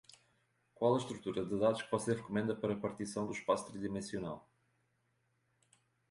Qual a estrutura de dados que você recomenda para partição do espaço tridimensional?